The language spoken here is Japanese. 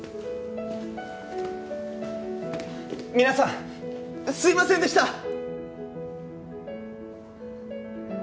皆さんすいませんでした！